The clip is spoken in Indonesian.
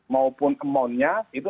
maupun amount nya itu